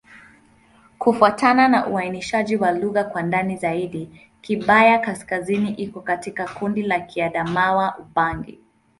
Kufuatana na uainishaji wa lugha kwa ndani zaidi, Kigbaya-Kaskazini iko katika kundi la Kiadamawa-Ubangi.